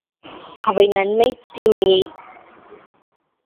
அவை நன்மை, தீமையே!